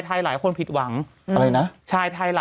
ไปไหนล่ะข่าวเถอะ